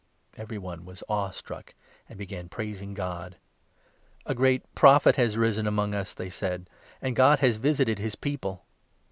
Every one was awe struck and 16 began praising God. "A great Prophet has arisen among us," they said ; "and God has visited his people."